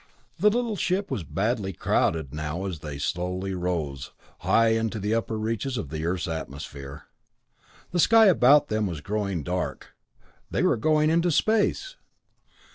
The little ship was badly crowded now as they rose slowly, high into the upper reaches of the Earth's atmosphere. The sky about them was growing dark they were going into space!